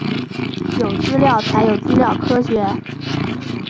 有资料才有资料科学